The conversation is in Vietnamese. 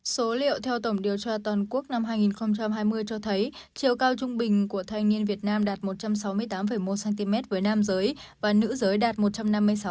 số liệu theo tổng điều tra toàn quốc năm hai nghìn hai mươi cho thấy chiều cao trung bình của thanh niên việt nam đạt một trăm sáu mươi tám một cm với nam giới và nữ giới đạt một trăm năm mươi sáu